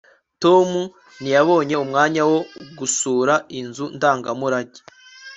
tom ntiyabonye umwanya wo gusura inzu ndangamurage